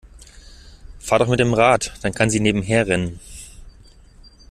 Fahr doch mit dem Rad, dann kann sie nebenher rennen.